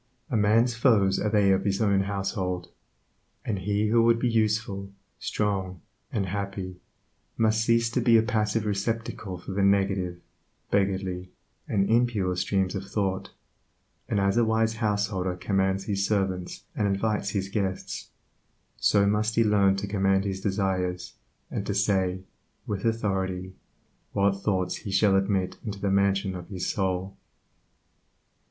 "A man's foes are they of his own household," and he who would be useful, strong, and happy, must cease to be a passive receptacle for the negative, beggardly, and impure streams of thought; and as a wise householder commands his servants and invites his guests, so must he learn to command his desires, and to say, with authority, what thoughts he shall admit into the mansion of his soul.